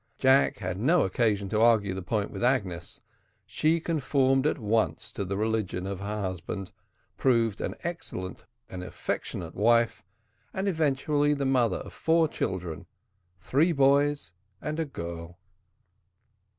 Jack had no occasion to argue the point with Agnes; she conformed at once to the religion of her husband, proved an excellent and affectionate wife, and eventually the mother of four children, three boys and a girl.